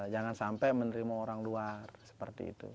jangan sampai menerima orang luar seperti itu